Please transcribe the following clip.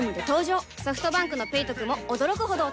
ソフトバンクの「ペイトク」も驚くほどおトク